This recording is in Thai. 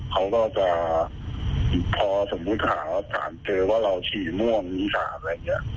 เขาก็จะพอสมมุติถามแล้วสถานเจอว่าเราฉี่ม่วงที่ค่านั้น